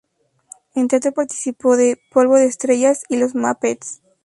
En teatro, participó de "Polvo de estrellas" y "Los Muppets".